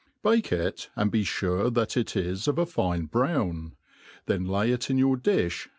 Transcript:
Bake it, and be fure that it is of a fine brown ; then lay it in your di/h